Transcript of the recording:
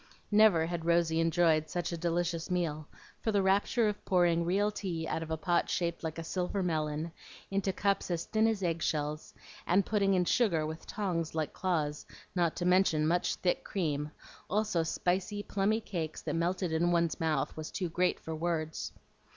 Never had Rosy enjoyed such a delicious meal; for the rapture of pouring real tea out of a pot shaped like a silver melon, into cups as thin as egg shells, and putting in sugar with tongs like claws, not to mention much thick cream, also spicy, plummy cakes that melted in one's mouth, was too great for words.